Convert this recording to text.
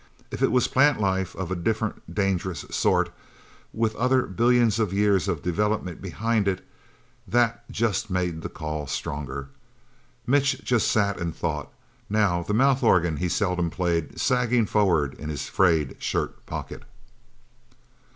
If it was plant life of a different, dangerous sort, with other billions of years of development behind it, that just made the call stronger. Mitch just sat and thought, now, the mouth organ he seldom played sagging forward in his frayed shirt pocket.